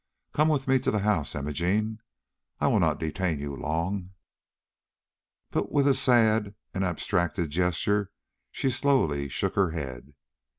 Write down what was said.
Come with me to the house, Imogene. I will not detain you long." But with a sad and abstracted gesture she slowly shook her head.